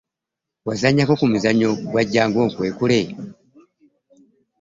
Wazannya ko kumuzannyo gwe Jangu onkwekule?